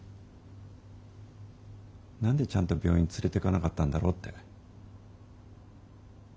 何でちゃんと病院連れていかなかったんだろうって。